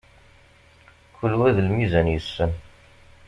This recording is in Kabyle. Kul wa d lmizan yessen.